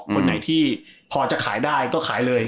คนไหนที่พอจะขายได้ก็ขายเลย